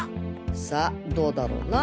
さあどうだろうな。